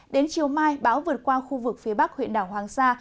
đến chiều mai bão vượt qua khu vực phía bắc huyện đảo hoàng sa